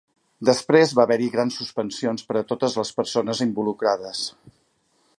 Després va haver-hi grans suspensions per a totes les persones involucrades.